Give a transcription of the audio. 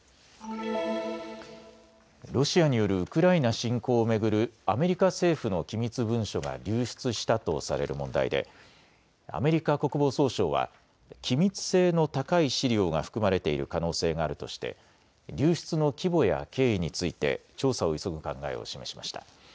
ロシアによるウクライナ侵攻を巡るアメリカ政府の機密文書が流出したとされる問題でアメリカ国防総省は機密性の高い資料が含まれている可能性があるとして流出の規模や経緯について調査を急ぐ考えを示しました。